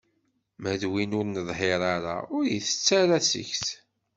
Ma d win ur neḍhir ara, ur itett ara seg-s.